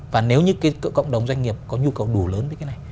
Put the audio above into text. và nếu như cộng đồng doanh nghiệp có nhu cầu đủ lớn với cái này